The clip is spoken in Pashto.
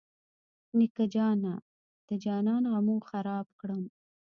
نیکه جانه د جانان غمو خراب کړم.